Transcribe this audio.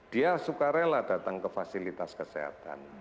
dia suka rela datang ke fasilitas kesehatan